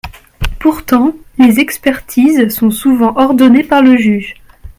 Pourtant, les expertises sont souvent ordonnées par le juge.